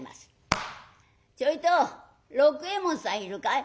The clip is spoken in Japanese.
「ちょいと六右衛門さんいるかい？」。